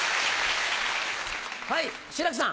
はい志らくさん。